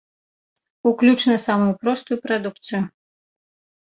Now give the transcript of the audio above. Уключна самую простую прадукцыю.